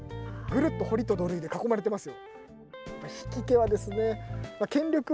ぐるっと堀と土塁で囲まれてます。